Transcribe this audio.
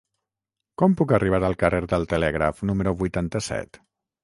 Com puc arribar al carrer del Telègraf número vuitanta-set?